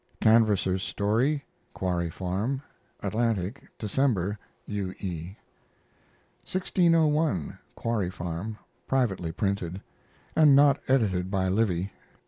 CANVASSER'S STORY (Quarry Farm) Atlantic, December. U. E. "1601" (Quarry Farm), privately printed. [And not edited by Livy.